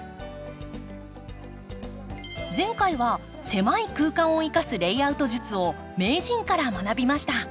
前回は狭い空間を生かすレイアウト術を名人から学びました。